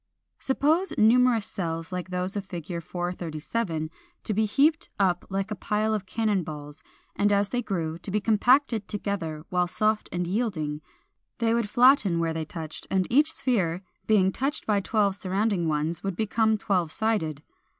= Suppose numerous cells like those of Fig. 437 to be heaped up like a pile of cannon balls, and as they grew, to be compacted together while soft and yielding; they would flatten where they touched, and each sphere, being touched by twelve surrounding ones would become twelve sided.